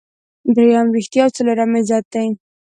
دریم ریښتیا او څلورم عزت دی.